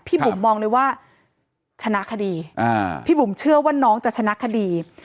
บุ๋มมองเลยว่าชนะคดีพี่บุ๋มเชื่อว่าน้องจะชนะคดี